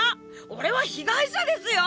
俺は被害者ですよ！